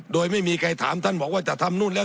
โดยไม่มีใครถามท่านบอกว่าจะทำนู่นแล้ว